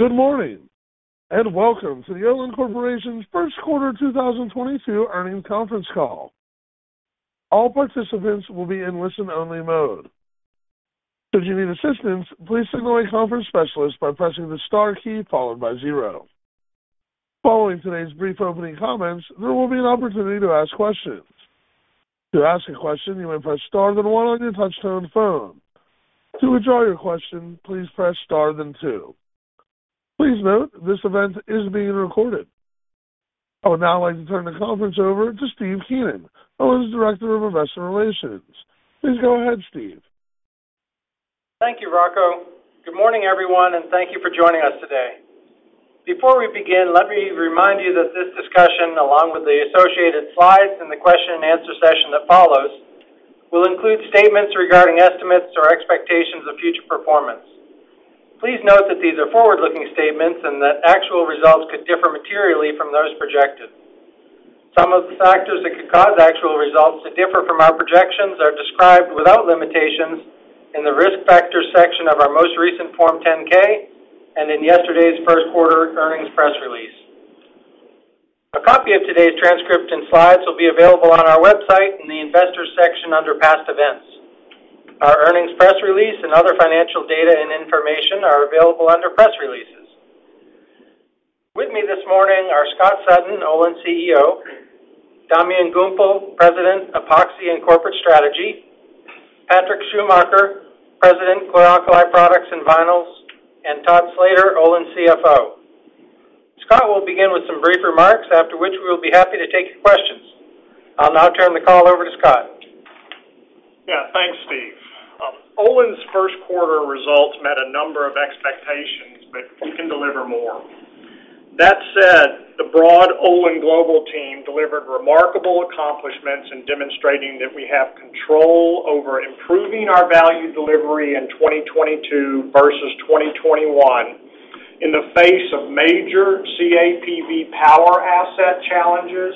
Good morning, and welcome to the Olin Corporation's first quarter 2022 earnings conference call. All participants will be in listen-only mode. If you need assistance, please signal a conference specialist by pressing the star key followed by zero. Following today's brief opening comments, there will be an opportunity to ask questions. To ask a question, you may press star then one on your touch-tone phone. To withdraw your question, please press star then two. Please note, this event is being recorded. I would now like to turn the conference over to Steve Keenan, Olin's Director of Investor Relations. Please go ahead, Steve. Thank you, Rocco. Good morning, everyone, and thank you for joining us today. Before we begin, let me remind you that this discussion, along with the associated slides and the question and answer session that follows, will include statements regarding estimates or expectations of future performance. Please note that these are forward-looking statements and that actual results could differ materially from those projected. Some of the factors that could cause actual results to differ from our projections are described without limitations in the Risk Factors section of our most recent Form 10-K and in yesterday's first quarter earnings press release. A copy of today's transcript and slides will be available on our website in the Investors section under Past Events. Our earnings press release and other financial data and information are available under Press Releases. With me this morning are Scott Sutton, Olin CEO, Damian Gumpel, President, Epoxy and Corporate Strategy, Patrick Schumacher, President, Chlor Alkali Products and Vinyls, and Todd Slater, Olin CFO. Scott will begin with some brief remarks after which we will be happy to take your questions. I'll now turn the call over to Scott. Yeah. Thanks, Steve. Olin's first quarter results met a number of expectations, but we can deliver more. That said, the broad Olin global team delivered remarkable accomplishments in demonstrating that we have control over improving our value delivery in 2022 versus 2021 in the face of major CAPV power asset challenges,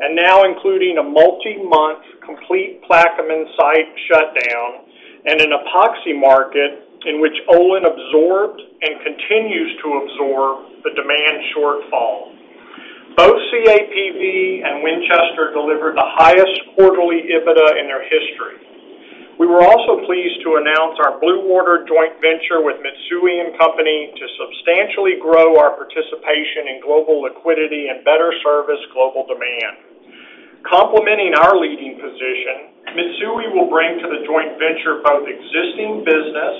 and now including a multi-month complete Plaquemine site shutdown and an Epoxy market in which Olin absorbed and continues to absorb the demand shortfall. Both CAPV and Winchester delivered the highest quarterly EBITDA in their history. We were also pleased to announce our Blue Water joint venture with Mitsui & Co. to substantially grow our participation in global liquidity and better service global demand. Complementing our leading position, Mitsui will bring to the joint venture both existing business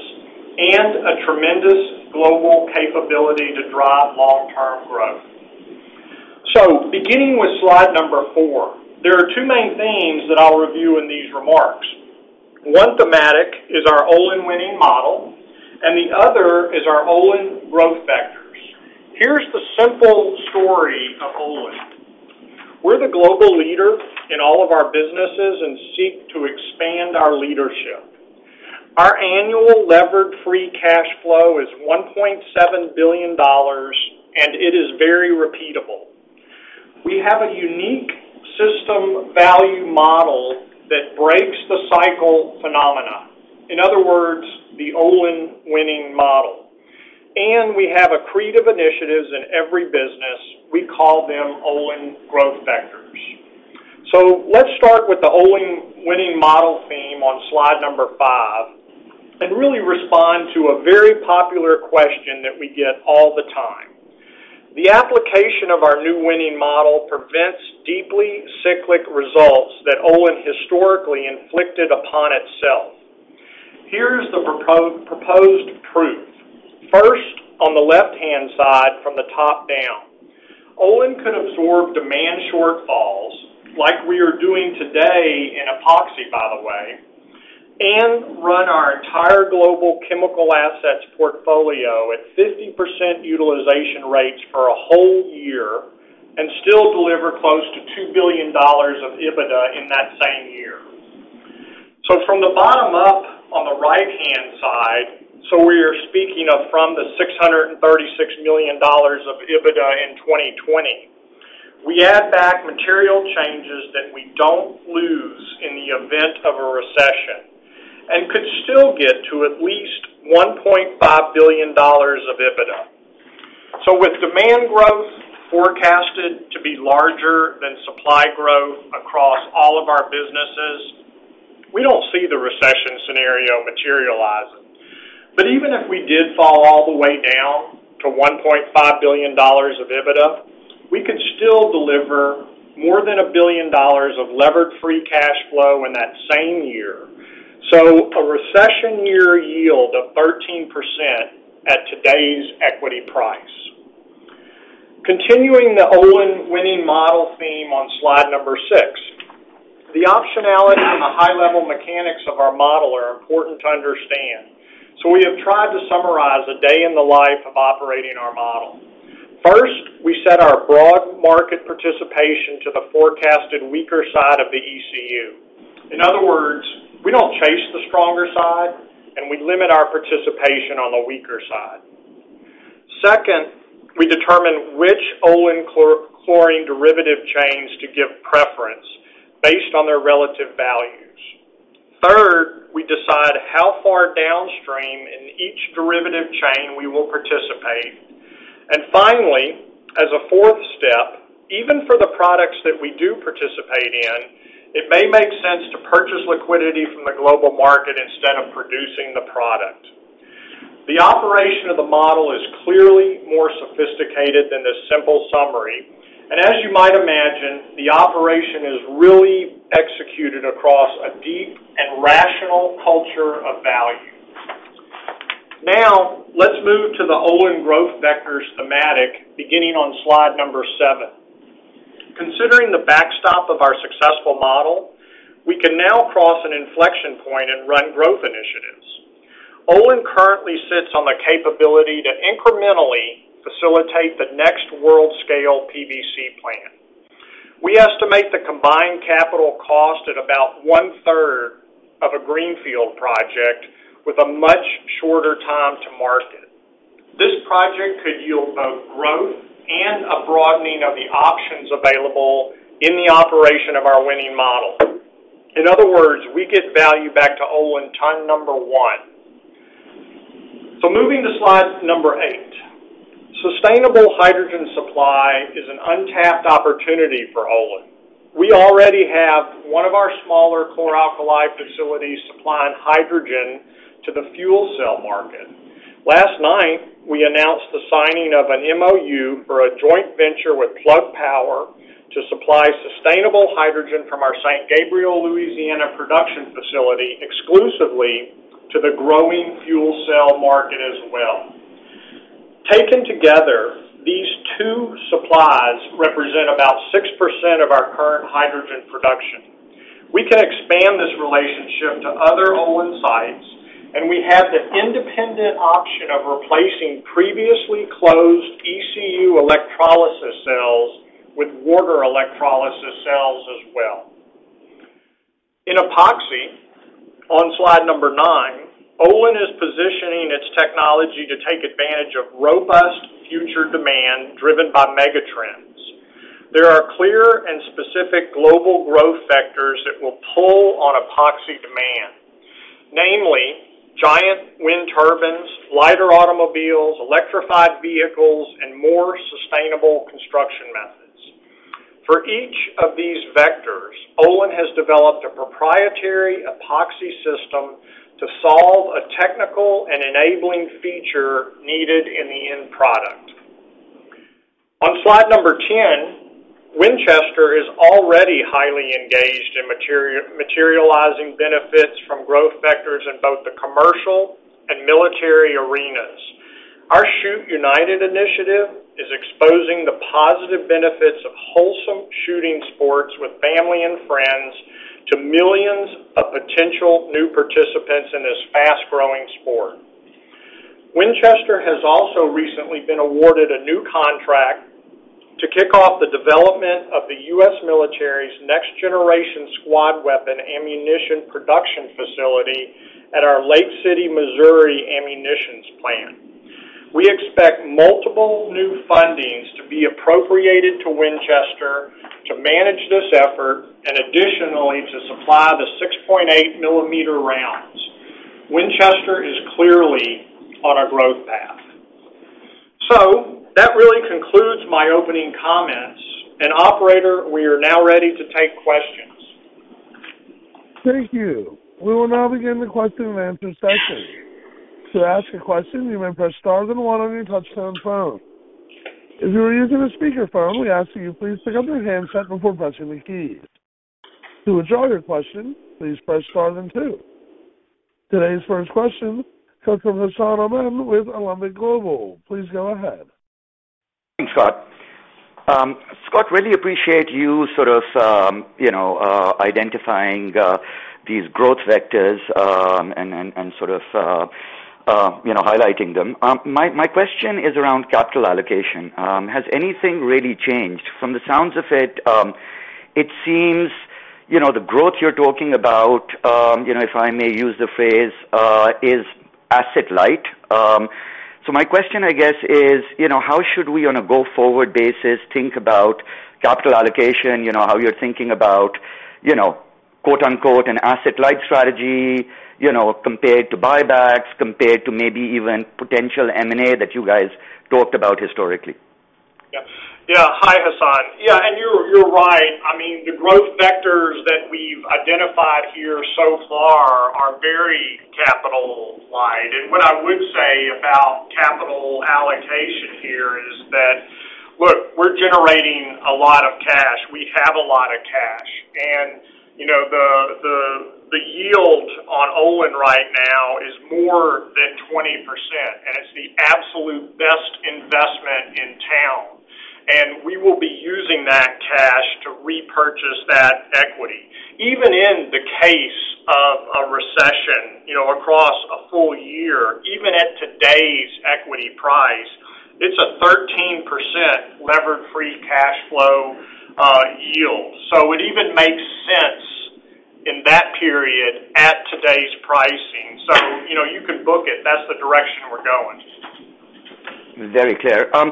and a tremendous global capability to drive long-term growth. Beginning with slide four, there are two main themes that I'll review in these remarks. One thematic is our Olin winning model, and the other is our Olin growth vectors. Here's the simple story of Olin. We're the global leader in all of our businesses and seek to expand our leadership. Our annual levered free cash flow is $1.7 billion, and it is very repeatable. We have a unique system value model that breaks the cycle phenomena. In other words, the Olin winning model. We have accretive initiatives in every business. We call them Olin growth vectors. Let's start with the Olin winning model theme on slide five and really respond to a very popular question that we get all the time. The application of our new winning model prevents deeply cyclic results that Olin historically inflicted upon itself. Here's the proposed proof. First, on the left-hand side from the top down, Olin could absorb demand shortfalls like we are doing today in Epoxy, by the way, and run our entire global chemical assets portfolio at 50% utilization rates for a whole year and still deliver close to $2 billion of EBITDA in that same year. From the bottom up on the right-hand side, we are speaking of from the $636 million of EBITDA in 2020, we add back material changes that we don't lose in the event of a recession and could still get to at least $1.5 billion of EBITDA. With demand growth forecasted to be larger than supply growth across all of our businesses, we don't see the recession scenario materializing. Even if we did fall all the way down to $1.5 billion of EBITDA, we could still deliver more than $1 billion of levered free cash flow in that same year. A recession year yield of 13% at today's equity price. Continuing the Olin winning model theme on slide number six, the optionality and the high-level mechanics of our model are important to understand, so we have tried to summarize a day in the life of operating our model. First, we set our broad market participation to the forecasted weaker side of the ECU. In other words, we don't chase the stronger side, and we limit our participation on the weaker side. Second, we determine which Olin chlorine derivative chains to give preference based on their relative values. We decide how far downstream in each derivative chain we will participate. Finally, as a fourth step, even for the products that we do participate in, it may make sense to purchase liquidity from the global market instead of producing the product. The operation of the model is clearly more sophisticated than this simple summary. As you might imagine, the operation is really executed across a deep and rational culture of value. Now let's move to the Olin growth vectors thematic beginning on slide number seven. Considering the backstop of our successful model, we can now cross an inflection point and run growth initiatives. Olin currently sits on the capability to incrementally facilitate the next world scale PVC plant. We estimate the combined capital cost at about one-third of a greenfield project with a much shorter time to market. This project could yield both growth and a broadening of the options available in the operation of our winning model. In other words, we get value back to Olin's ton number one. Moving to slide number eight. Sustainable hydrogen supply is an untapped opportunity for Olin. We already have one of our smaller chlor-alkali facilities supplying hydrogen to the fuel cell market. Last night, we announced the signing of an MOU for a joint venture with Plug Power to supply sustainable hydrogen from our St. Gabriel, Louisiana production facility exclusively to the growing fuel cell market as well. Taken together, these two supplies represent about 6% of our current hydrogen production. We can expand this relationship to other Olin sites, and we have the independent option of replacing previously closed ECU electrolysis cells with water electrolysis cells as well. In Epoxy on slide number nine Olin is positioning its technology to take advantage of robust future demand driven by mega trends. There are clear and specific global growth vectors that will pull on Epoxy demand, namely giant wind turbines, lighter automobiles, electrified vehicles, and more sustainable construction methods. For each of these vectors, Olin has developed a proprietary Epoxy system to solve a technical and enabling feature needed in the end product. On slide number 10, Winchester is already highly engaged in materializing benefits from growth vectors in both the commercial and military arenas. Our Shoot United initiative is exposing the positive benefits of wholesome shooting sports with family and friends to millions of potential new participants in this fast-growing sport. Winchester has also recently been awarded a new contract to kick off the development of the U.S. military's next generation squad weapon ammunition production facility at our Lake City, Missouri ammunition plant. We expect multiple new fundings to be appropriated to Winchester to manage this effort and additionally to supply the 6.8 millimeter rounds. Winchester is clearly on a growth path. That really concludes my opening comments. Operator, we are now ready to take questions. Thank you. We will now begin the question and answer session. To ask a question, you may press star then one on your touchtone phone. If you are using a speaker phone, we ask that you please pick up your handset before pressing the key. To withdraw your question, please press star then two. Today's first question comes from Hassan Ahmed with Alembic Global Advisors. Please go ahead. Thanks, Scott. Scott, really appreciate you sort of, you know, identifying these growth vectors, and sort of, you know, highlighting them. My question is around capital allocation. Has anything really changed? From the sounds of it seems, you know, the growth you're talking about, you know, if I may use the phrase, is asset-light. My question, I guess, is, you know, how should we on a go-forward basis think about capital allocation? You know, how you're thinking about, you know, quote-unquote, "an asset-light strategy," you know, compared to buybacks, compared to maybe even potential M&A that you guys talked about historically? Yeah. Hi, Hassan. Yeah, you're right. I mean, the growth vectors that we've identified here so far are very capital light. What I would say about capital allocation here is that, look, we're generating a lot of cash. We have a lot of cash. You know, the yield on Olin right now is more than 20%, and it's the absolute best investment in town. We will be using that cash to repurchase that equity. Even in the case of a recession, you know, across a full year, even at today's equity price, it's a 13% levered free cash flow yield. It even makes sense in that period at today's pricing. You know, you can book it. That's the direction we're going. Very clear. I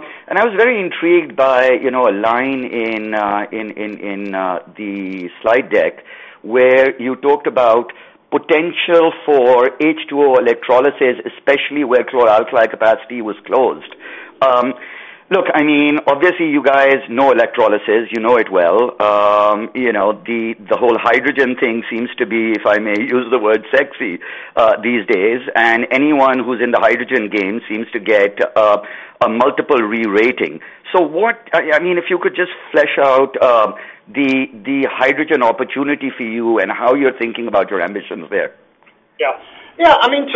was very intrigued by, you know, a line in the slide deck where you talked about potential for H2O electrolysis, especially where chlor-alkali capacity was closed. Look, I mean, obviously you guys know electrolysis, you know it well. You know, the whole hydrogen thing seems to be, if I may use the word sexy, these days, and anyone who's in the hydrogen game seems to get a multiple re-rating. I mean, if you could just flesh out the hydrogen opportunity for you and how you're thinking about your ambitions there. Yeah. I mean,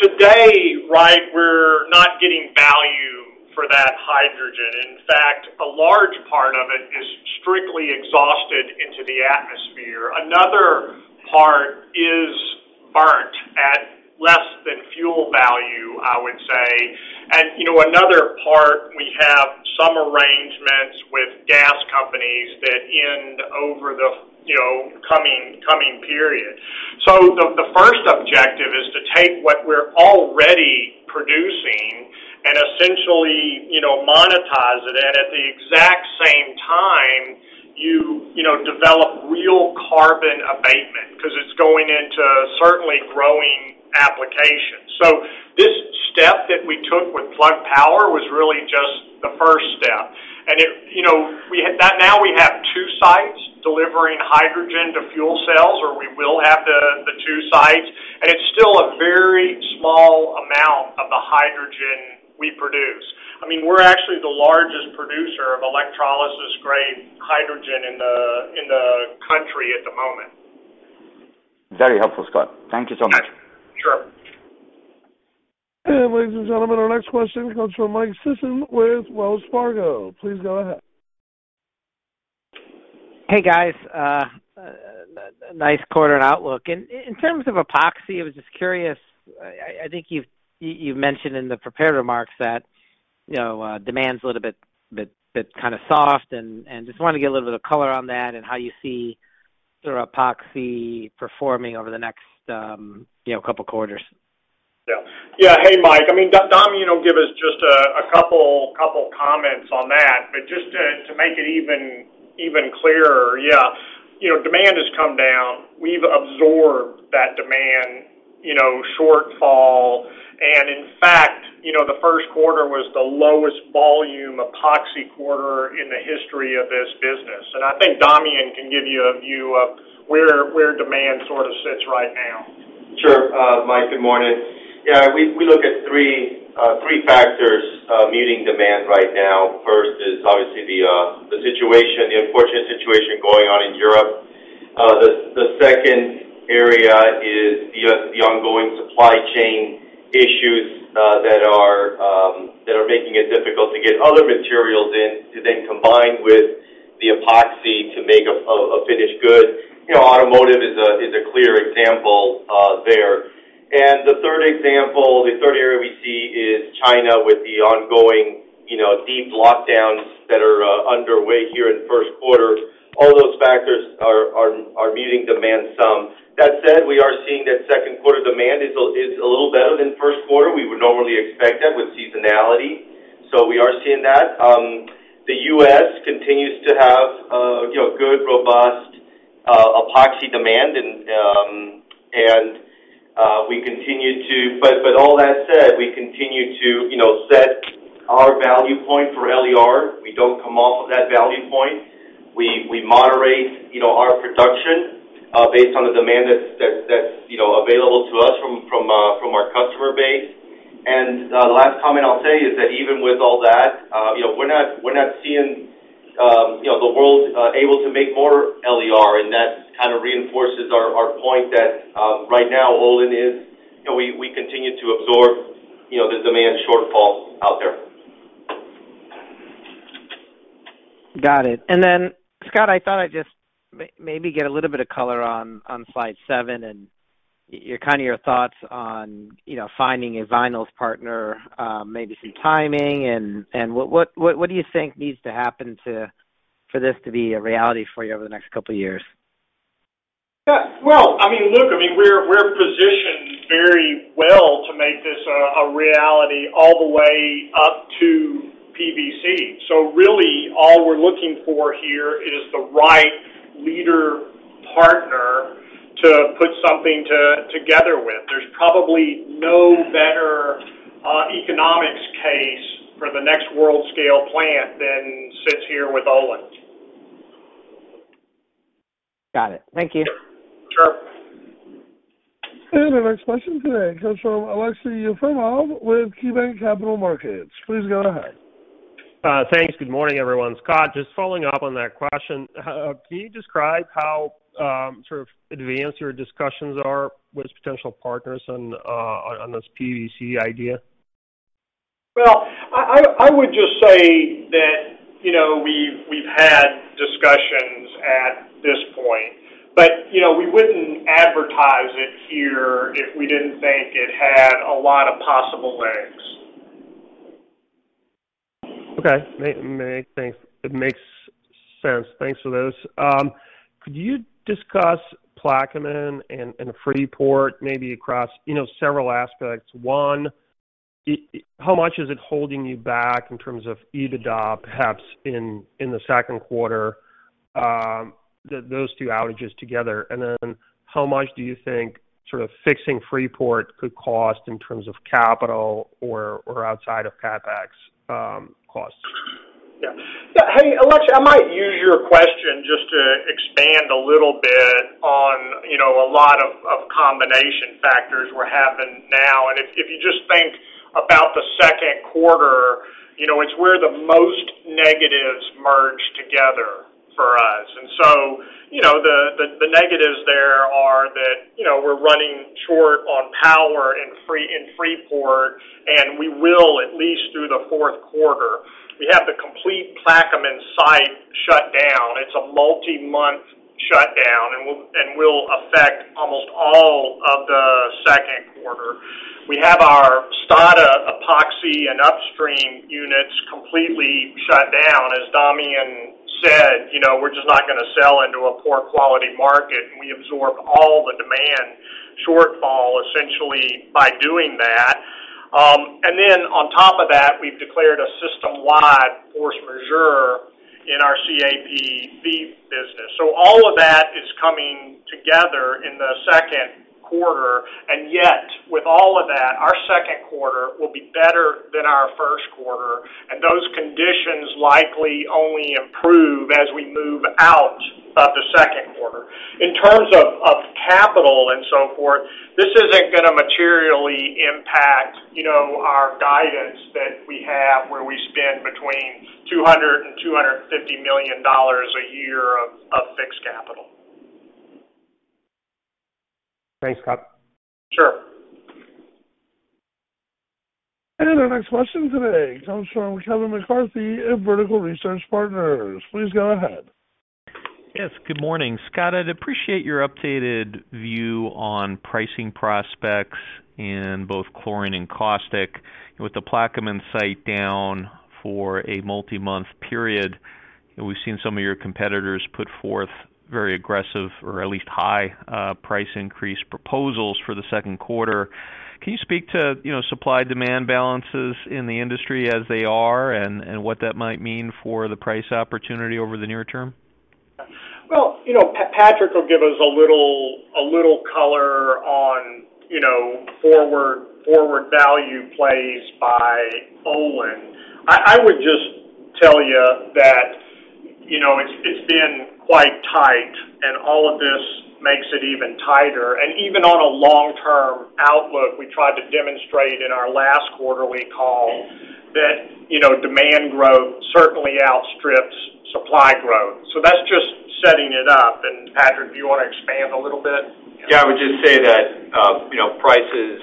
today, right, we're not getting value for that hydrogen. In fact, a large part of it is strictly exhausted into the atmosphere. Another part is burnt at less than fuel value, I would say. You know, another part, we have some arrangements with gas companies that end over the, you know, coming period. The first objective is to take what we're already producing and essentially, you know, monetize it. At the exact same time, you know, develop real carbon abatement because it's going into certainly growing applications. This step that we took with Plug Power was really just the first step. It, you know, we had. Now we have two sites delivering hydrogen to fuel cells, or we will have the two sites. It's still a very small amount of the hydrogen we produce. I mean, we're actually the largest producer of electrolysis grade hydrogen in the country at the moment. Very helpful, Scott. Thank you so much. Yeah. Sure. Ladies and gentlemen, our next question comes from Mike Sison with Wells Fargo. Please go ahead. Hey, guys. Nice quarter and outlook. In terms of Epoxy, I was just curious. I think you've mentioned in the prepared remarks that, you know, demand's a little bit kind of soft and just wanted to get a little bit of color on that and how you see sort of Epoxy performing over the next, you know, couple quarters? Yeah. Hey, Mike. I mean, Damian will give us just a couple comments on that. But just to make it even clearer, yeah, you know, demand has come down. We've absorbed that demand, you know, shortfall. In fact, you know, the first quarter was the lowest volume Epoxy quarter in the history of this business. I think Damien can give you a view of where demand sort of sits right now. Sure. Mike, good morning. Yeah, we look at three factors meeting demand right now. First is obviously the situation, the unfortunate situation going on in Europe. The second area is the ongoing supply chain issues that are making it difficult to get other materials in to then combine with the Epoxy to make a finished good. You know, automotive is a clear example there. The third example, the third area we see is China with the ongoing deep lockdowns that are underway here in the first quarter. All those factors are meeting demand some. That said, we are seeing that second quarter demand is a little better than first quarter. We would normally expect that with seasonality, so we are seeing that. The US continues to have, you know, good, robust Epoxy demand. All that said, we continue to, you know, set our value point for LER. We don't come off of that value point. We moderate, you know, our production based on the demand that's, you know, available to us from our customer base. Last comment I'll tell you is that even with all that, you know, we're not seeing, you know, the world able to make more LER, and that kind of reinforces our point that right now, Olin is, you know, we continue to absorb, you know, the demand shortfall out there. Got it. Scott, I thought I'd just maybe get a little bit of color on slide seven and your kind of thoughts on, you know, finding a vinyls partner, maybe some timing and what do you think needs to happen for this to be a reality for you over the next couple of years? Yeah. Well, I mean, look, I mean, we're positioned very well to make this a reality all the way up to PVC. Really all we're looking for here is the right lead partner to put something together with. There's probably no better economics case for the next world-scale plant than sits here with Olin. Got it. Thank you. Sure. Our next question today comes from Aleksey Yefremov with KeyBanc Capital Markets. Please go ahead. Thanks. Good morning, everyone. Scott, just following up on that question. Can you describe how sort of advanced your discussions are with potential partners on this PVC idea? Well, I would just say that, you know, we've had discussions at this point, but, you know, we wouldn't advertise it here if we didn't think it had a lot of possible legs. Okay. Matthew, thanks. It makes sense. Thanks for those. Could you discuss Plaquemine and Freeport maybe across, you know, several aspects. One, how much is it holding you back in terms of EBITDA perhaps in the second quarter, those two outages together? Then how much do you think sort of fixing Freeport could cost in terms of capital or outside of CapEx, costs? Yeah. Hey, Alex, I might use your question just to expand a little bit on, you know, a lot of combination factors we're having now. If you just think about the second quarter, you know, it's where the most negatives merge together for us. You know, the negatives there are that, you know, we're running short on power in Freeport, and we will at least through the fourth quarter. We have the complete Plaquemine site shut down. It's a multi-month shutdown, and will affect almost all of the second quarter. We have our Stade Epoxy and upstream units completely shut down. As Damian said, you know, we're just not gonna sell into a poor quality market, and we absorb all the demand shortfall essentially by doing that. On top of that, we've declared a system-wide force majeure in our CAP fee business. All of that is coming together in the second quarter. Yet, with all of that, our second quarter will be better than our first quarter. Those conditions likely only improve as we move out of the second quarter. In terms of capital and so forth, this isn't gonna materially impact, you know, our guidance that we have where we spend between $200 million and $250 million a year of fixed capital. Thanks, Scott. Sure. Our next question today comes from Kevin McCarthy of Vertical Research Partners. Please go ahead. Yes, good morning. Scott, I'd appreciate your updated view on pricing prospects in both chlorine and caustic. With the Plaquemine site down for a multi-month period, we've seen some of your competitors put forth very aggressive or at least high, price increase proposals for the second quarter. Can you speak to, you know, supply-demand balances in the industry as they are and what that might mean for the price opportunity over the near term? Well, you know, Patrick will give us a little color on, you know, forward value plays by Olin. I would just tell you that, you know, it's been quite tight and all of this makes it even tighter. Even on a long-term outlook, we tried to demonstrate in our last quarterly call that, you know, demand growth certainly outstrips supply growth. That's just setting it up. Patrick, do you wanna expand a little bit? Yeah. I would just say that, you know, prices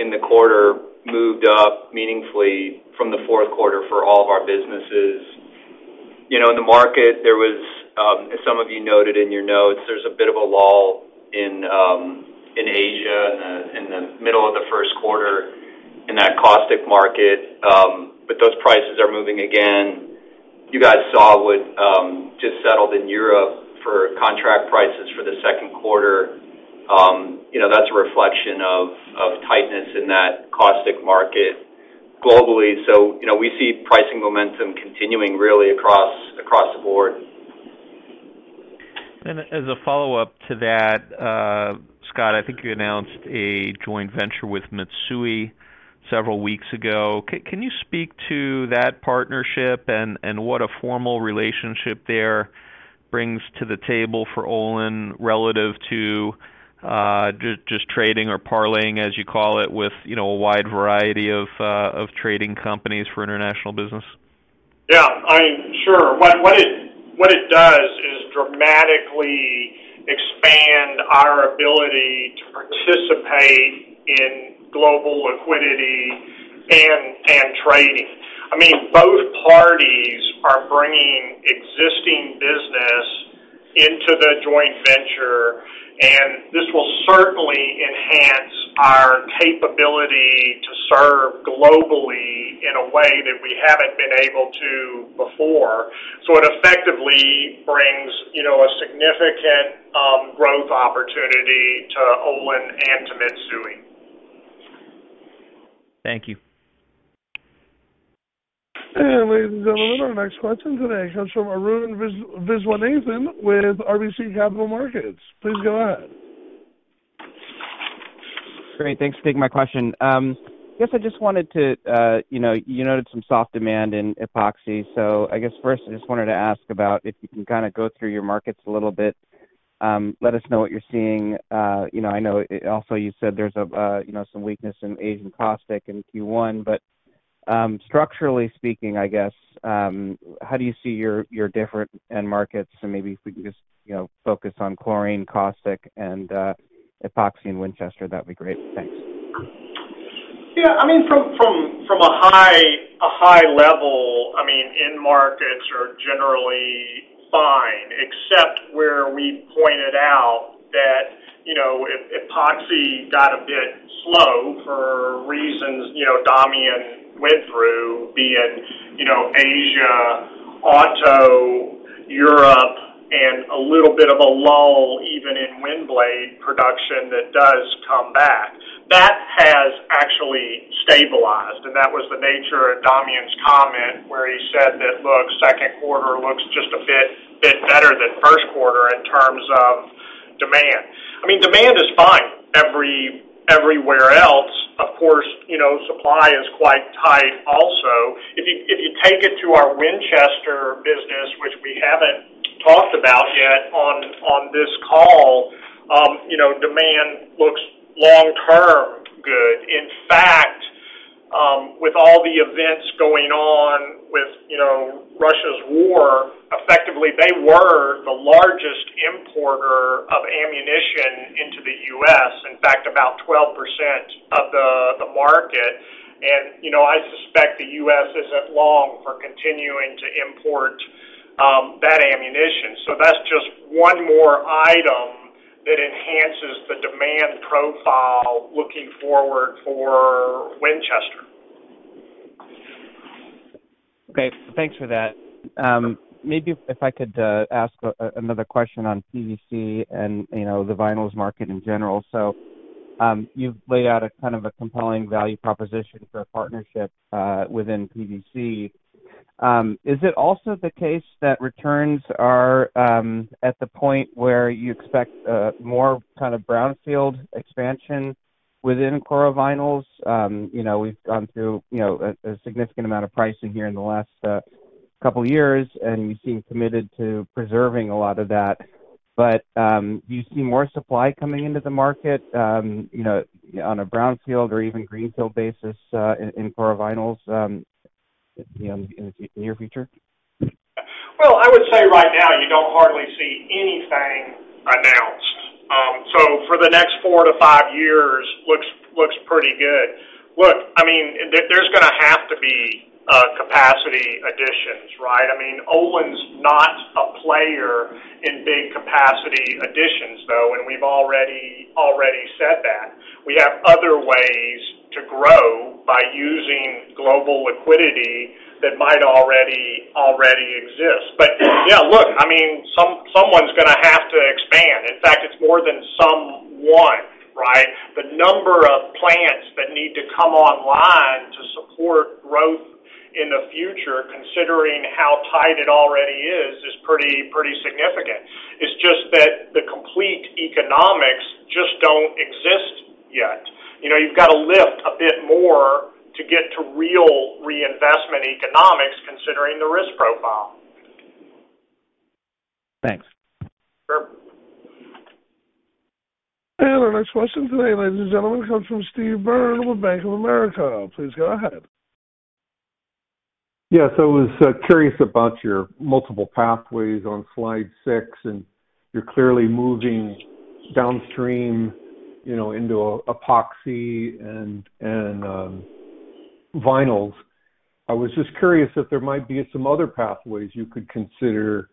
in the quarter moved up meaningfully from the fourth quarter for all of our businesses. You know, in the market, there was, as some of you noted in your notes, there's a bit of a lull in Asia in the middle of the first quarter in that caustic market, but those prices are moving again. You guys saw what just settled in Europe for contract prices for the second quarter. You know, that's a reflection of tightness in that caustic market globally. You know, we see pricing momentum continuing really across the board. As a follow-up to that, Scott, I think you announced a joint venture with Mitsui several weeks ago. Can you speak to that partnership and what a formal relationship there brings to the table for Olin relative to just trading or parlaying, as you call it, with you know, a wide variety of trading companies for international business? Yeah. I mean, sure. What it does is dramatically expand our ability to participate in global liquidity and trading. I mean, both parties are bringing existing business into the joint venture, and this will certainly enhance our capability to serve globally in a way that we haven't been able to before. It effectively brings, you know, a significant growth opportunity to Olin and to Mitsui. Thank you. Ladies and gentlemen, our next question today comes from Arun Viswanathan with RBC Capital Markets. Please go ahead. Great. Thanks for taking my question. Guess I just wanted to, you know, you noted some soft demand in Epoxy. So I guess first I just wanted to ask about if you can kinda go through your markets a little bit, let us know what you're seeing. You know, I know also you said there's you know, some weakness in Asian caustic in Q1, but structurally speaking, I guess, how do you see your your different end markets? Maybe if we can just, you know, focus on chlorine, caustic and Epoxy in Winchester, that'd be great. Thanks. Yeah. I mean, from a high level, I mean, end markets are generally fine except where we pointed out that, you know, Epoxy got a bit slow for reasons, you know, Damian went through, be it, you know, Asia, auto, Europe, and a little bit of a lull even in wind blade production that does come back. That has actually stabilized, and that was the nature of Damian's comment where he said that, "Look, second quarter looks just a bit better than first quarter in terms of demand." I mean, demand is fine everywhere else. Of course, you know, supply is quite tight also. If you take it to our Winchester business, which we haven't talked about yet on this call, you know, demand looks long-term good. In fact, with all the events going on with, you know, Russia's war, effectively they were the largest importer of ammunition into the U.S., in fact, about 12% of the market. You know, I suspect the U.S. isn't long for continuing to import that ammunition. That's just one more item that enhances the demand profile looking forward for Winchester. Okay. Thanks for that. Maybe if I could ask another question on PVC and, you know, the vinyls market in general. You've laid out a kind of a compelling value proposition for a partnership within PVC. Is it also the case that returns are at the point where you expect more kind of brownfield expansion within chlorovinyls? You know, we've gone through a significant amount of pricing here in the last couple years, and you seem committed to preserving a lot of that. Do you see more supply coming into the market, you know, on a brownfield or even greenfield basis in chlorovinyls, you know, in the near future? Well, I would say right now you don't hardly see anything announced. For the next four to five years looks pretty good. Look, I mean, there's gonna have to be capacity additions, right? I mean, Olin's not a player in big capacity additions though, and we've already said that. We have other ways to grow by using global liquidity that might already exist. Yeah, look, I mean, someone's gonna have to expand. In fact, it's more than someone, right? The number of plants that need to come online to support growth in the future, considering how tight it already is pretty significant. It's just that the complete economics just don't exist yet. You know, you've got to lift a bit more to get to real reinvestment economics considering the risk profile. Thanks. Sure. Our next question today, ladies and gentlemen, comes from Steve Byrne with Bank of America. Please go ahead. Yes. I was curious about your multiple pathways on slide six, and you're clearly moving downstream, you know, into epoxy and vinyls. I was just curious if there might be some other pathways you could consider,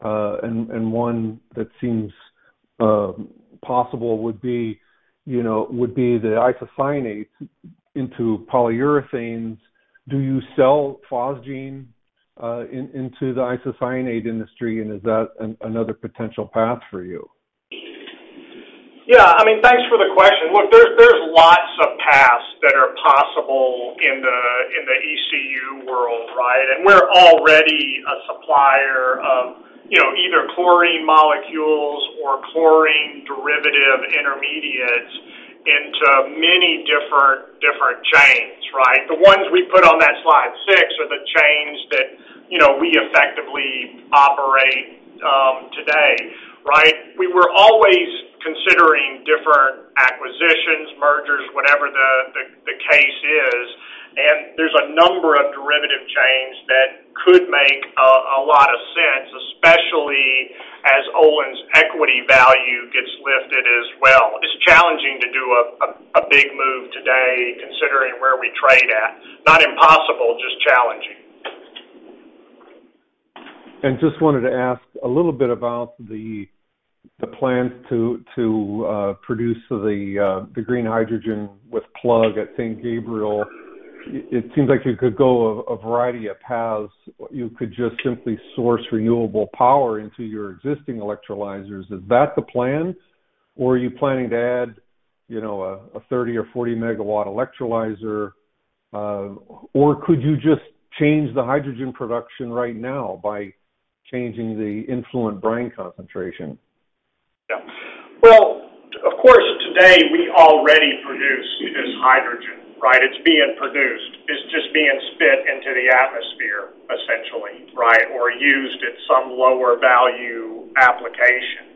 and one that seems possible would be the isocyanates into polyurethanes. Do you sell phosgene into the isocyanate industry, and is that another potential path for you? Yeah. I mean, thanks for the question. Look, there's lots of paths that are possible in the ECU world, right? We're already a supplier of, you know, either chlorine molecules or chlorine derivative intermediates into many different chains, right? The ones we put on that slide six are the chains that, you know, we effectively operate today, right? We were always considering different acquisitions, mergers, whatever the case is, and there's a number of derivative chains that could make a lot of sense, especially as Olin's equity value gets lifted as well. It's challenging to do a big move today considering where we trade at. Not impossible, just challenging. Just wanted to ask a little bit about the plans to produce the green hydrogen with Plug at St. Gabriel. It seems like you could go a variety of paths. You could just simply source renewable power into your existing electrolyzers. Is that the plan, or are you planning to add, you know, a 30 or 40-megawatt electrolyzer? Or could you just change the hydrogen production right now by changing the influent brine concentration? Yeah. Well, of course, today we already produce this hydrogen, right? It's being produced. It's just being spit into the atmosphere essentially, right, or used at some lower value application.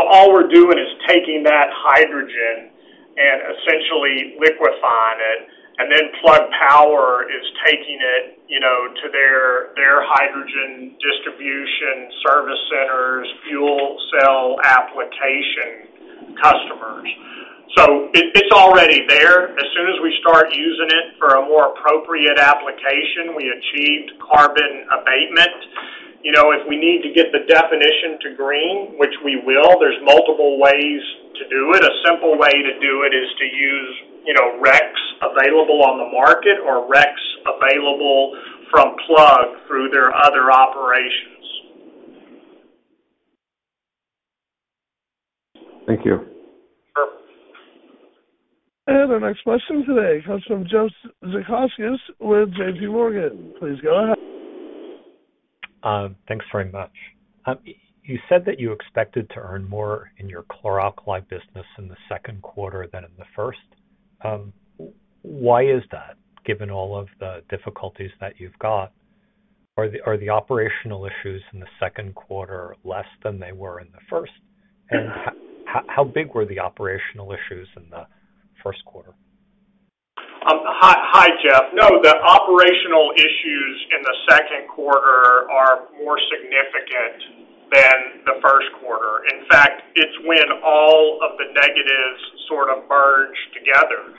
All we're doing is taking that hydrogen and essentially liquefying it, and then Plug Power is taking it, you know, to their hydrogen distribution service centers, fuel cell application customers. It's already there. As soon as we start using it for a more appropriate application, we achieved carbon abatement. If we need to get the definition to green, which we will, there's multiple ways to do it. A simple way to do it is to use, you know, RECs available on the market or RECs available from Plug through their other operations. Thank you. Sure. Our next question today comes from Jeff Zekauskas with J.P. Morgan. Please go ahead. Thanks very much. You said that you expected to earn more in your chlor-alkali business in the second quarter than in the first. Why is that, given all of the difficulties that you've got? Are the operational issues in the second quarter less than they were in the first? How big were the operational issues in the first quarter? Hi, Jeff. No, the operational issues in the second quarter are more significant than the first quarter. In fact, it's when all of the negatives sort of merge together.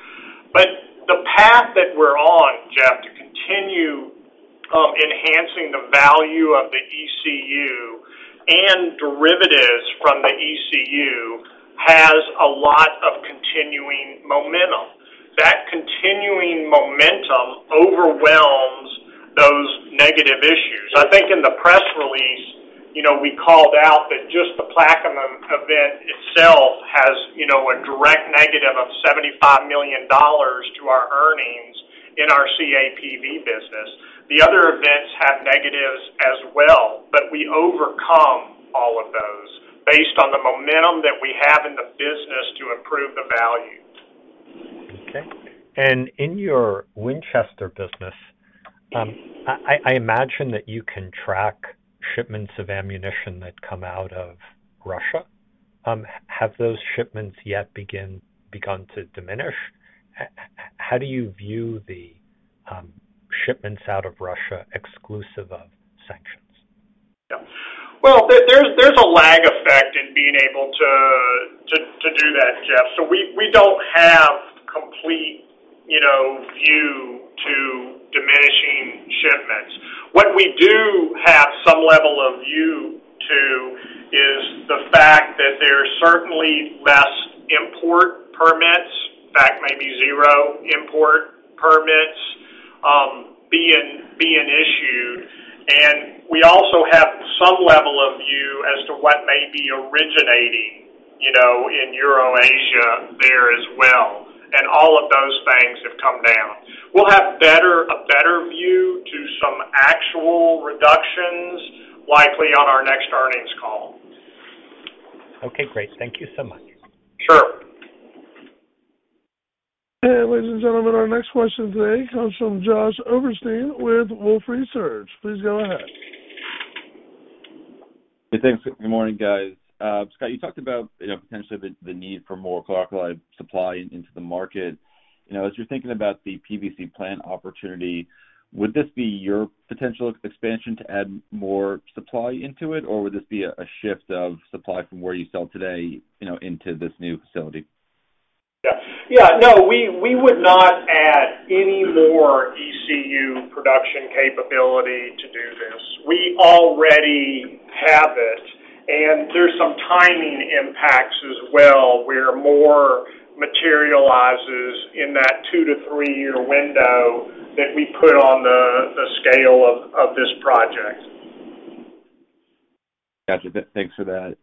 The path that we're on, Jeff, to continue enhancing the value of the ECU and derivatives from the ECU has a lot of continuing momentum. That continuing momentum overwhelms those negative issues. I think in the press release, you know, we called out that just the Plaquemine event itself has, you know, a direct negative of $75 million to our earnings in our CAPV business. The other events have negatives as well, but we overcome all of those based on the momentum that we have in the business to improve the value. Okay. In your Winchester business, I imagine that you can track shipments of ammunition that come out of Russia. Have those shipments yet begun to diminish? How do you view the shipments out of Russia exclusive of sanctions? Yeah. Well, there's a lag effect in being able to do that, Jeff. We don't have complete, you know, view to diminishing shipments. What we do have some level of view to is the fact that there are certainly less import permits, in fact, maybe zero import permits being issued. We also have some level of view as to what may be originating, you know, in Eurasia there as well, and all of those things have come down. We'll have a better view to some actual reductions likely on our next earnings call. Okay, great. Thank you so much. Sure. Ladies and gentlemen, our next question today comes from Josh Spector with Wolfe Research. Please go ahead. Hey, thanks. Good morning, guys. Scott, you talked about, you know, potentially the need for more chlor-alkali supply into the market. You know, as you're thinking about the PVC plant opportunity, would this be your potential expansion to add more supply into it, or would this be a shift of supply from where you sell today, you know, into this new facility? Yeah, no. We would not add any more ECU production capability to do this. We already have it, and there's some timing impacts as well, where more materializes in that two to three year window that we put on the scale of this project. Gotcha. Thanks for that.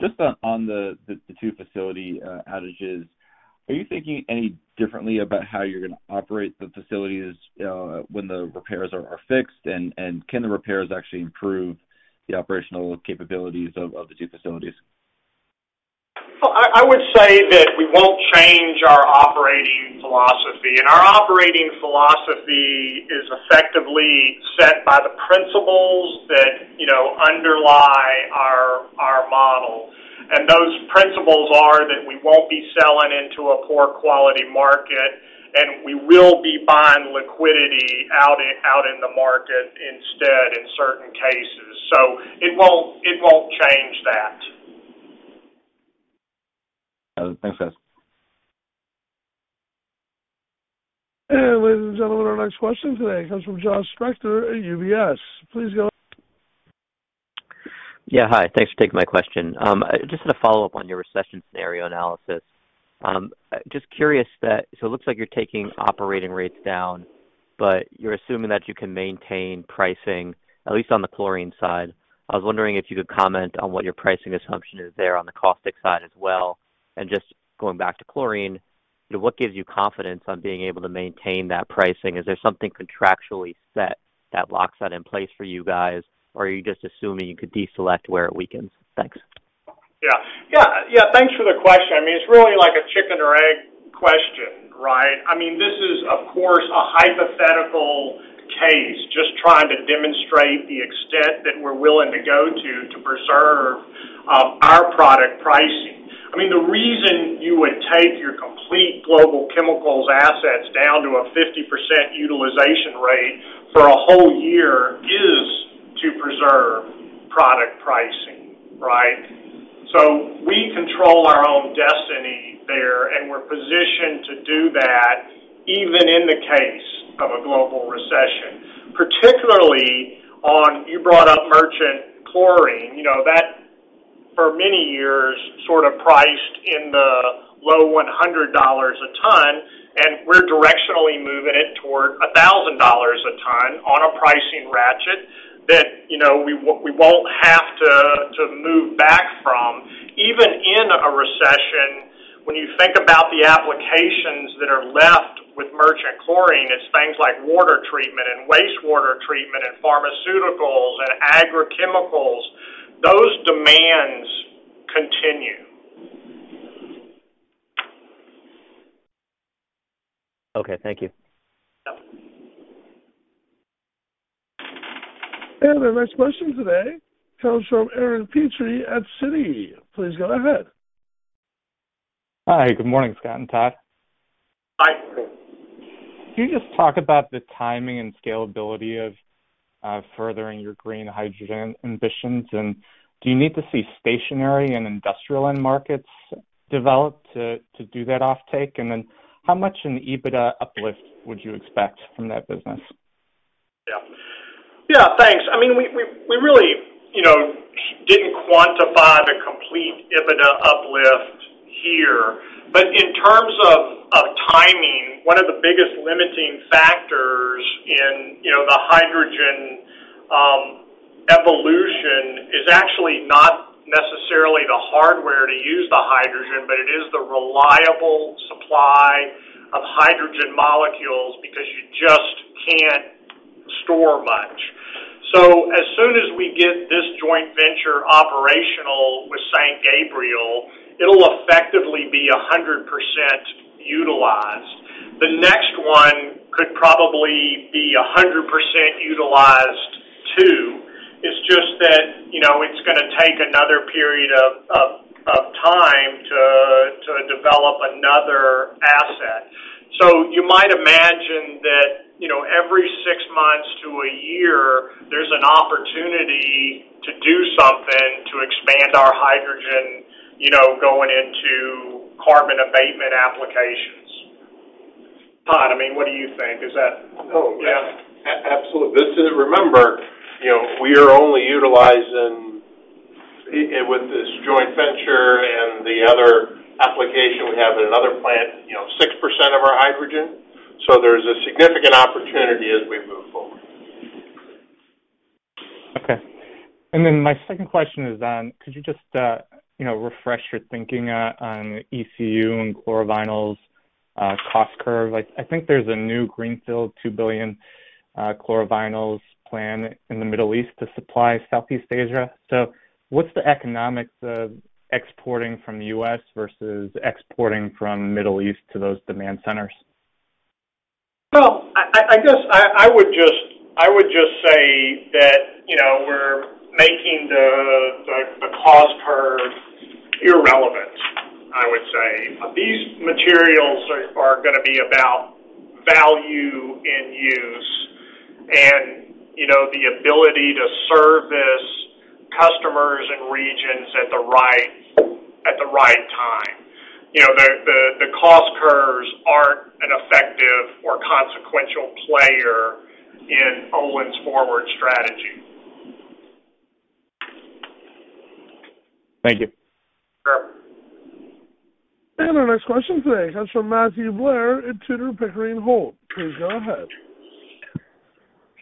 Just on the two facilities outages, are you thinking any differently about how you're gonna operate the facilities when the repairs are fixed? Can the repairs actually improve the operational capabilities of the two facilities? Well, I would say that we won't change our operating philosophy. Our operating philosophy is effectively set by the principles that, you know, underlie our model. Those principles are that we won't be selling into a poor quality market, and we will be buying liquidity out in the market instead in certain cases. It won't change that. Got it. Thanks, guys. Ladies and gentlemen, our next question today comes from Josh Spector at UBS. Please go. Yeah, hi. Thanks for taking my question. Just as a follow-up on your recession scenario analysis, just curious, so it looks like you're taking operating rates down, but you're assuming that you can maintain pricing, at least on the chlorine side. I was wondering if you could comment on what your pricing assumption is there on the caustic side as well. Just going back to chlorine, what gives you confidence on being able to maintain that pricing? Is there something contractually set that locks that in place for you guys, or are you just assuming you could deselect where it weakens? Thanks. Yeah, thanks for the question. I mean, it's really like a chicken or egg question, right? I mean, this is, of course, a hypothetical case, just trying to demonstrate the extent that we're willing to go to preserve our product pricing. I mean, the reason you would take your complete global chemicals assets down to a 50% utilization rate for a whole year is to preserve product pricing, right? We control our own destiny. We're positioned to do that even in the case of a global recession. Particularly on. You brought up merchant chlorine, you know, that for many years sort of priced in the low $100 a ton, and we're directionally moving it toward $1,000 a ton on a pricing ratchet that, you know, we won't have to move back from. Even in a recession, when you think about the applications that are left with merchant chlorine, it's things like water treatment and wastewater treatment and pharmaceuticals and agrochemicals. Those demands continue. Okay. Thank you. Yeah. Our next question today comes from Eric Petrie at Citi. Please go ahead. Hi. Good morning, Scott and Todd. Hi. Can you just talk about the timing and scalability of furthering your green hydrogen ambitions, and do you need to see stationary and industrial end markets develop to do that offtake? And then how much in EBITDA uplift would you expect from that business? Yeah. Yeah. Thanks. I mean, we really, you know, didn't quantify the complete EBITDA uplift here. In terms of timing, one of the biggest limiting factors in, you know, the hydrogen evolution is actually not necessarily the hardware to use the hydrogen, but it is the reliable supply of hydrogen molecules because you just can't store much. As soon as we get this joint venture operational with St. Gabriel, it'll effectively be 100% utilized. The next one could probably be 100% utilized, too. It's just that, you know, it's gonna take another period of time to develop another asset. You might imagine that, you know, every six months to a year, there's an opportunity to do something to expand our hydrogen, you know, going into carbon abatement applications. Todd, I mean, what do you think? Is that- Oh, yeah. Absolutely. Remember, you know, we are only utilizing with this joint venture and the other application we have at another plant, you know, 6% of our hydrogen. There's a significant opportunity as we move forward. Okay. My second question is, could you just refresh your thinking on ECU and chlorovinyls' cost curve? Like, I think there's a new greenfield $2 billion chlorovinyls plant in the Middle East to supply Southeast Asia. What's the economics of exporting from the US versus exporting from Middle East to those demand centers? Well, I guess I would just say that, you know, we're making the cost per irrelevant, I would say. These materials are gonna be about value in use and, you know, the ability to service customers and regions at the right time. You know, the cost curves aren't an effective or consequential player in Olin's forward strategy. Thank you. Sure. Our next question today comes from Matthew Blair at Tudor, Pickering, Holt & Co. Please go ahead.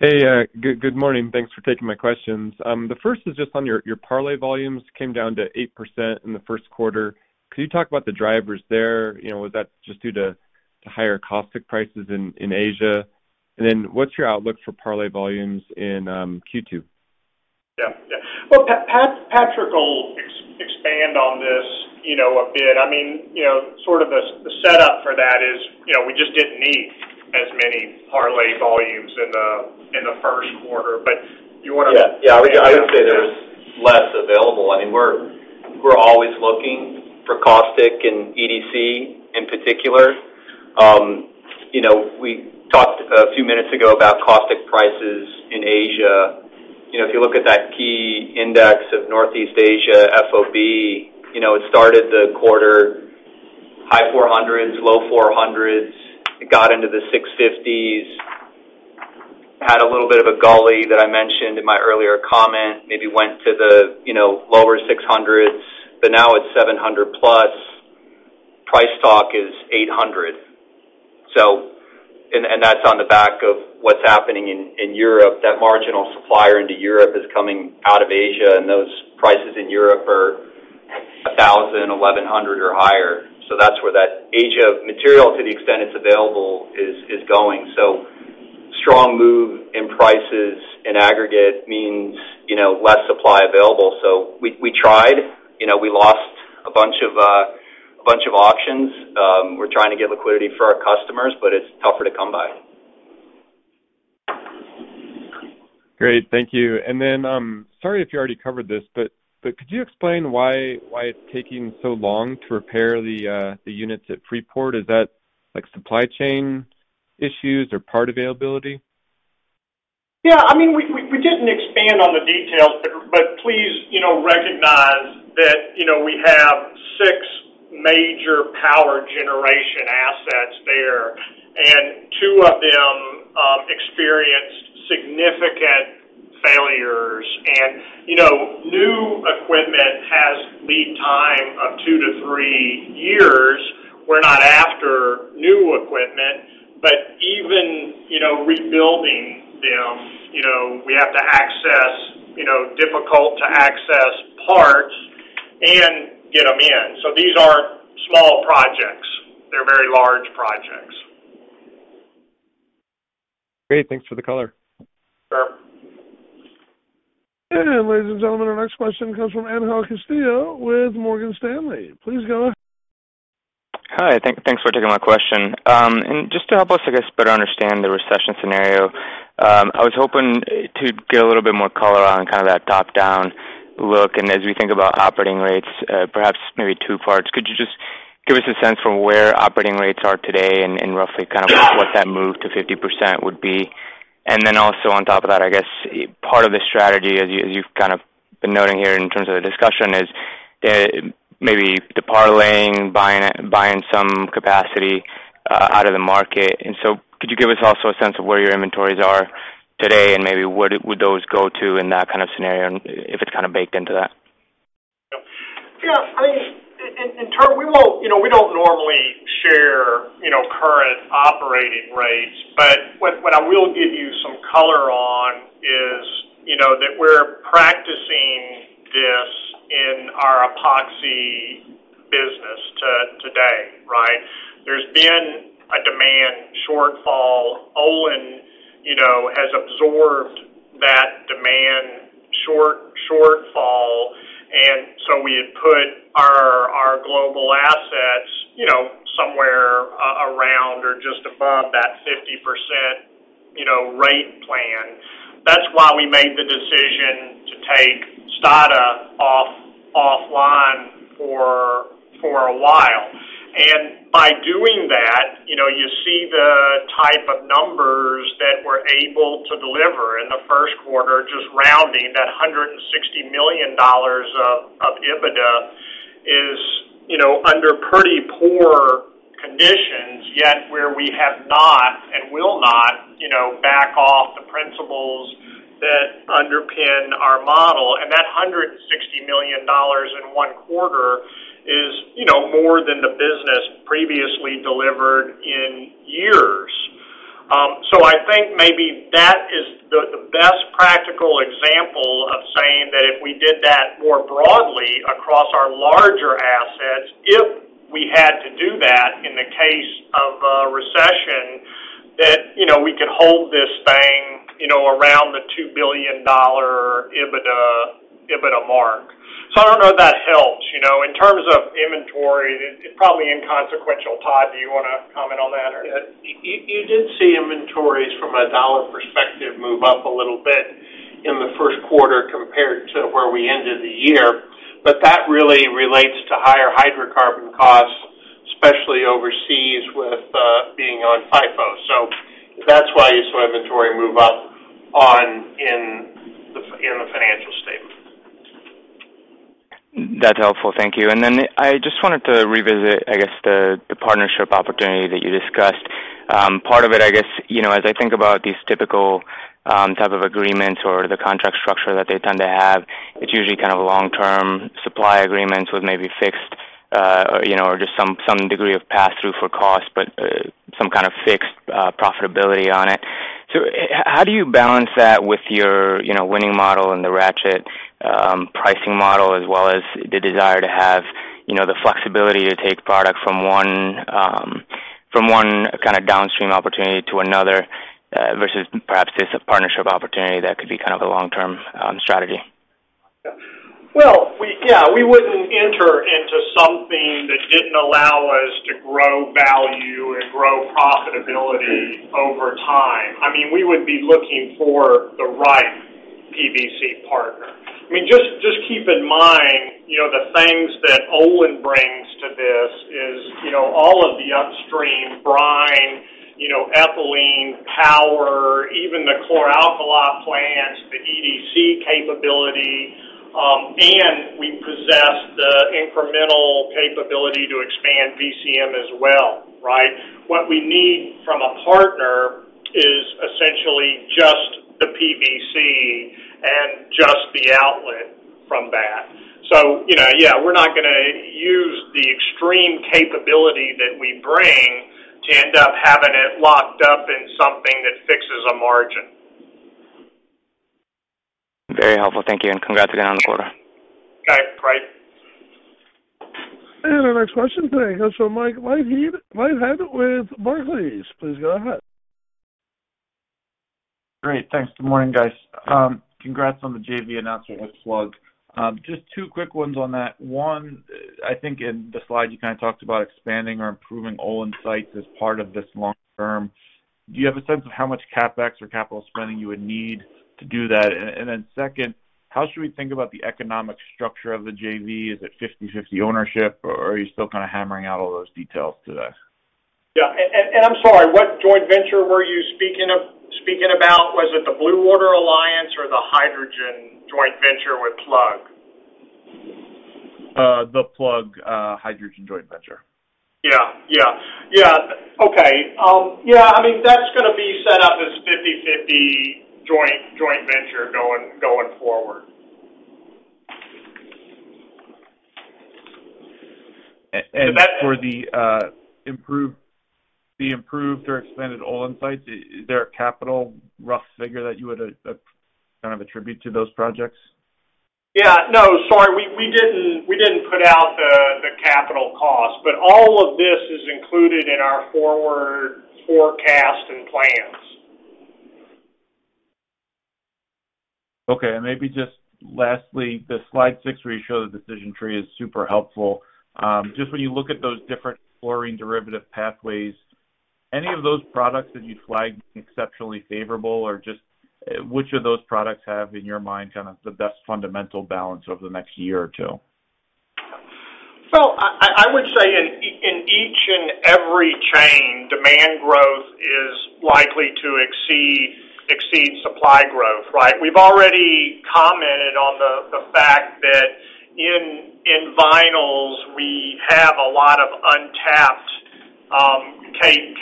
Hey. Good morning. Thanks for taking my questions. The first is just on your PVC volumes came down to 8% in the first quarter. Could you talk about the drivers there? You know, was that just due to higher caustic prices in Asia? And then what's your outlook for PVC volumes in Q2? Yeah. Well, Pat, Patrick will expand on this, you know, a bit. I mean, you know, sort of the setup for that is, you know, we just didn't need as many poly volumes in the first quarter. But you wanna- Yeah. Yeah. I would say there was less available. I mean, we're always looking for caustic and EDC in particular. You know, we talked a few minutes ago about caustic prices in Asia. You know, if you look at that key index of Northeast Asia FOB, you know, it started the quarter high $400s, low $400s. It got into the $650s. Had a little bit of a pullback that I mentioned in my earlier comment. Maybe went to the low $600s, but now it's $700+. Price talk is $800. That's on the back of what's happening in Europe. That marginal supplier into Europe is coming out of Asia, and those prices in Europe are $1,000, $1,100 or higher. That's where that Asia material, to the extent it's available, is going. Strong move in prices in aggregate means, you know, less supply available. We tried. You know, we lost a bunch of options. We're trying to get liquidity for our customers, but it's tougher to come by. Great. Thank you. Sorry if you already covered this, but could you explain why it's taking so long to repair the units at Freeport? Is that like supply chain issues or part availability? Yeah, I mean, we didn't expand on the details, but please, you know, recognize that, you know, we have six major power generation assets there, and two of them experienced significant failures. You know, new equipment has lead time of two to three years. We're not after new equipment, but even, you know, rebuilding them, you know, we have to access, you know, difficult to access parts and get them in. These aren't small projects. They're very large projects. Great. Thanks for the color. Sure. Ladies and gentlemen, our next question comes from Angel Castillo with Morgan Stanley. Please go ahead. Hi. Thanks for taking my question. Just to help us, I guess, better understand the recession scenario, I was hoping to get a little bit more color on kind of that top-down look. As we think about operating rates, perhaps maybe two parts. Could you just give us a sense for where operating rates are today and roughly kind of what that move to 50% would be? Then also on top of that, I guess part of the strategy, as you've kind of been noting here in terms of the discussion, is maybe the parlaying, buying some capacity out of the market. Could you give us also a sense of where your inventories are today and maybe where would those go to in that kind of scenario if it's kind of baked into that? Yeah. I mean, in terms we won't. You know, we don't normally share, you know, current operating rates. What I will give you some color on is, you know, that we're practicing this in our Epoxy business today, right? There's been a demand shortfall. Olin, you know, has absorbed that demand shortfall, and so we had put our global assets, you know, somewhere around or just above that 50%, you know, rate plan. That's why we made the decision to take Stade offline for a while. By doing that, you know, you see the type of numbers that we're able to deliver in the first quarter, just rounding $160 million of EBITDA, you know, under pretty poor conditions, yet where we have not and will not, you know, back off the principles that underpin our model. That $160 million in one quarter is, you know, more than the business previously delivered in years. So I think maybe that is the best practical example of saying that if we did that more broadly across our larger assets, if we had to do that in the case of a recession, that, you know, we could hold this thing, you know, around the $2 billion EBITDA mark. So I don't know if that helps. You know, in terms of inventory, it's probably inconsequential. Todd, do you wanna comment on that or? You did see inventories from a dollar perspective move up a little bit in the first quarter compared to where we ended the year. But that really relates to higher hydrocarbon costs, especially overseas with being on FIFO. That's why you saw inventory move up in the financial statement. That's helpful. Thank you. I just wanted to revisit, I guess, the partnership opportunity that you discussed. Part of it, I guess, you know, as I think about these typical, type of agreements or the contract structure that they tend to have, it's usually kind of long-term supply agreements with maybe fixed, you know, or just some degree of pass-through for cost, but, some kind of fixed, profitability on it. How do you balance that with your, you know, winning model and the ratchet, pricing model, as well as the desire to have, you know, the flexibility to take product from one, from one kind of downstream opportunity to another, versus perhaps it's a partnership opportunity that could be kind of a long-term, strategy? Well, yeah, we wouldn't enter into something that didn't allow us to grow value and grow profitability over time. I mean, we would be looking for the right PVC partner. I mean, just keep in mind, you know, the things that Olin brings to this is, you know, all of the upstream brine, you know, ethylene power, even the chlor-alkali plants, the EDC capability, and we possess the incremental capability to expand VCM as well, right? What we need from a partner is essentially just the PVC and just the outlet from that. You know, yeah, we're not gonna use the extreme capability that we bring to end up having it locked up in something that fixes a margin. Very helpful. Thank you, and congrats again on the quarter. Okay. Great. Our next question today comes from Mike Leithead with Barclays. Please go ahead. Great. Thanks. Good morning, guys. Congrats on the JV announcement with Plug. Just two quick ones on that. One, I think in the slide you kind of talked about expanding or improving Olin sites as part of this long term. Do you have a sense of how much CapEx or capital spending you would need to do that? Second, how should we think about the economic structure of the JV? Is it 50-50 ownership, or are you still kind of hammering out all those details today? I'm sorry, what joint venture were you speaking of, speaking about? Was it the Blue Water Alliance or the hydrogen joint venture with Plug? The Plug Power hydrogen joint venture. Yeah. Okay. Yeah, I mean, that's gonna be set up as 50/50 joint venture going forward. For the improved or expanded Olin sites, is there a capital rough figure that you would a kind of attribute to those projects? Yeah, no, sorry. We didn't put out the capital cost, but all of this is included in our forward forecast and plans. Okay. And maybe just lastly, the slide 6 where you show the decision tree is super helpful. Just when you look at those different fluorine derivative pathways, any of those products that you'd flag exceptionally favorable? Or just which of those products have, in your mind, kind of the best fundamental balance over the next year or two? I would say in each and every chain, demand growth is likely to exceed supply growth, right? We've already commented on the fact that in vinyls we have a lot of untapped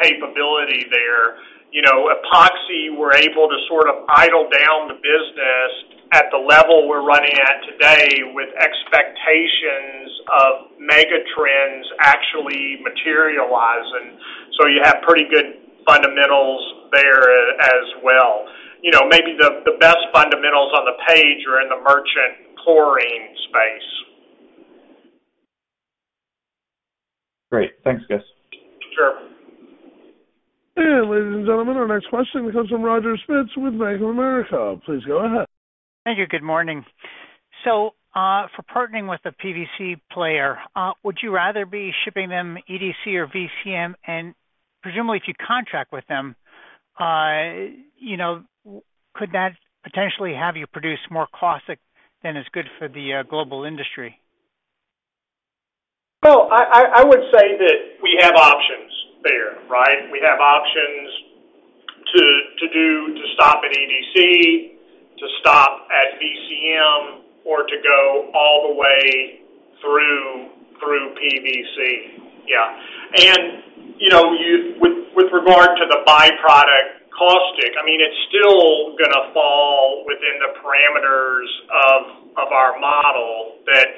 capability there. You know, Epoxy, we're able to sort of idle down the business at the level we're running at today with expectations of mega trends actually materializing. You have pretty good fundamentals there as well. You know, maybe the best fundamentals on the page are in the merchant chlorine space. Great. Thanks, Gus. Sure. Ladies and gentlemen, our next question comes from Roger Spitz with Bank of America. Please go ahead. Thank you. Good morning. For partnering with the PVC player, would you rather be shipping them EDC or VCM? Presumably, if you contract with them, you know, could that potentially have you produce more caustic than is good for the global industry? Well, I would say that we have options there, right? We have options to stop at EDC, to stop at VCM, or to go all the way through PVC. Yeah. You know, with regard to the byproduct caustic, I mean, it's still gonna fall within the parameters of our model that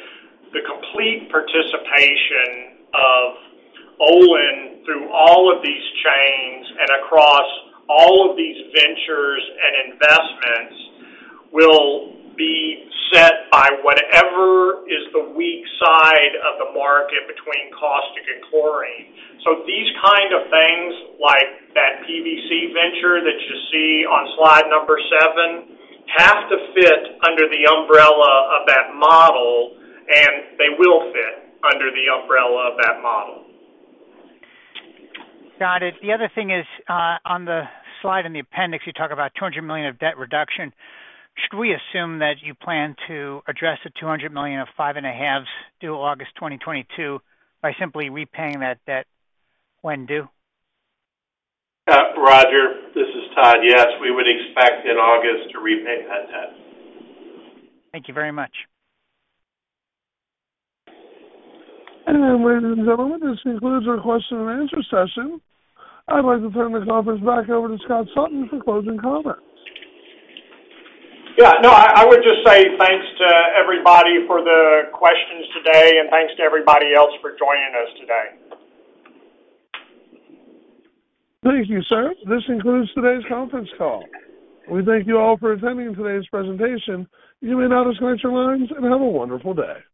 the complete participation of Olin through all of these chains and across all of these ventures and investments will be set by whatever is the weak side of the market between caustic and chlorine. So these kind of things, like that PVC venture that you see on slide number 7, have to fit under the umbrella of that model, and they will fit under the umbrella of that model. Got it. The other thing is, on the slide in the appendix, you talk about $200 million of debt reduction. Should we assume that you plan to address the $200 million of 5.5s due August 2022 by simply repaying that debt when due? Roger, this is Todd. Yes, we would expect in August to repay that debt. Thank you very much. Ladies and gentlemen, this concludes our question and answer session. I'd like to turn this conference back over to Scott Sutton for closing comments. Yeah, no, I would just say thanks to everybody for the questions today, and thanks to everybody else for joining us today. Thank you, sir. This concludes today's conference call. We thank you all for attending today's presentation. You may now disconnect your lines and have a wonderful day.